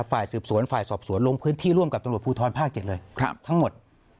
ฝ่ายสืบสวนฝ่ายสอบสวนลงพื้นที่ร่วมกับตำรวจภูทรภาค๗เลยทั้งหมด